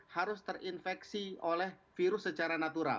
harus terinfeksi oleh virus secara natural